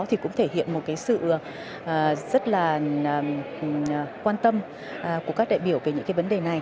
thì cũng thể hiện một sự rất là quan tâm của các đại biểu về những vấn đề này